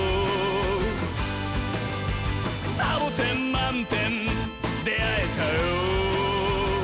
「サボテンまんてんであえたよ」